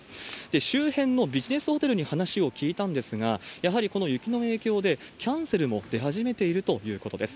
周辺のビジネスホテルに話を聞いたんですが、やはりこの雪の影響で、キャンセルも出始めているということです。